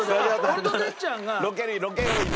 俺と哲ちゃんが。